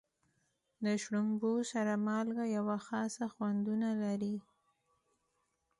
د شړومبو سره مالګه یوه خاصه خوندونه لري.